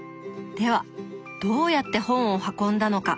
ではどうやって本を運んだのか。